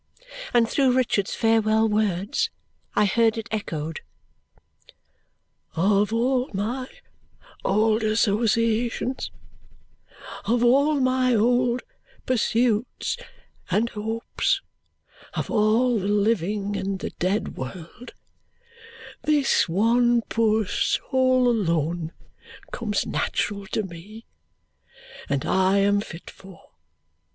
And through Richard's farewell words I heard it echoed: "Of all my old associations, of all my old pursuits and hopes, of all the living and the dead world, this one poor soul alone comes natural to me, and I am fit for.